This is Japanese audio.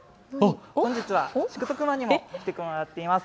本日はシュクトクマにも来てもらっています。